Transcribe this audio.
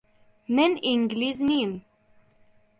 من ئینگلیز نیم.